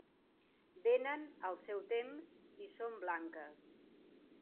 Vénen al seu temps, i són blanques.